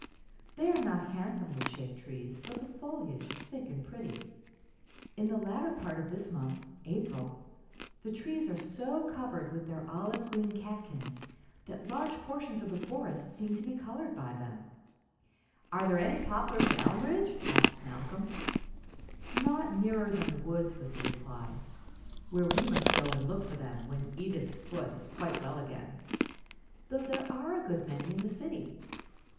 They are not handsomely shaped trees, but the foliage is thick and pretty. In the latter part of this month April the trees are so covered with their olive green catkins that large portions of the forests seem to be colored by them." [Illustration: IN THE EASY CHAIR] "Are there any poplars at Elmridge?" asked Malcolm. "Not nearer than the woods," was the reply, "where we must go and look for them when Edith's foot is quite well again, though there are a good many in the city.